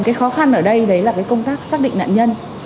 cái khó khăn ở đây là công tác xác định nạn nhân